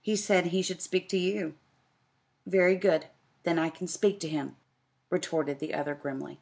"He said he should speak to you." "Very good. Then I can speak to him," retorted the other, grimly.